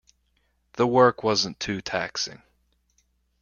The work wasn't too taxing.